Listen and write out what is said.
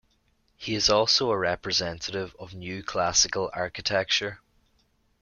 He is also a representative of New Classical Architecture.